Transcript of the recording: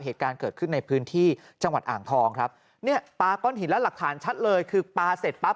เหตุการณ์เกิดขึ้นในพื้นที่จังหวัดอ่างทองครับเนี่ยปลาก้อนหินแล้วหลักฐานชัดเลยคือปลาเสร็จปั๊บ